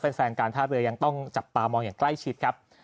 แฟนการท่าเรือยังต้องจับตามองอย่างใกล้ชิดครับ